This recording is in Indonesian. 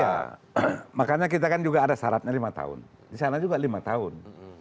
iya makanya kita kan juga ada syaratnya lima tahun disana juga lima tahun